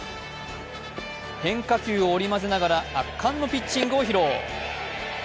変化球を織り交ぜながら圧巻のピッチングを披露。